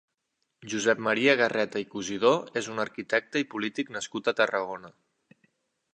Josep Maria Garreta i Cusidó és un arquitecte i polític nascut a Tarragona.